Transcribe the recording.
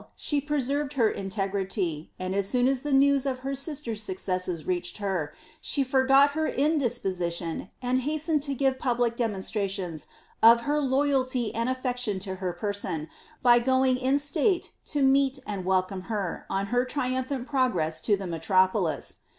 ie preserved her integrity, and as suon as the news of her sister^s successes reached lier, she forgot her indisposition and hastened to give public de monstrations of her loyalty and affection to her person, by going in stale to meet and welcome her, on her triumphant progress to the me tropolis.